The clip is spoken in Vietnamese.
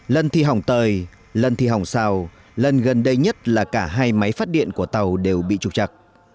lần thì hỏng tời lần thì hỏng xào lần gần đây nhất là cả hai máy phát điện của tàu đều bị trục chặt